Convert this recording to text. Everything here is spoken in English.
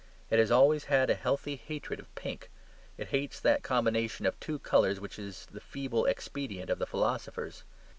It has always had a healthy hatred of pink. It hates that combination of two colours which is the feeble expedient of the philosophers.